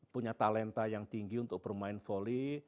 punya talenta yang tinggi untuk bermain volley